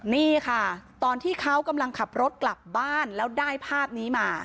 นี่ค่ะตอนที่เขากำลังขับรถกลับบ้านแล้วได้ภาพนี้มา